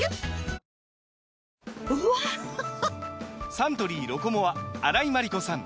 サントリー「ロコモア」荒井眞理子さん